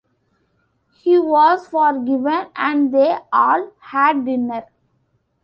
He was forgiven, and they all had dinner.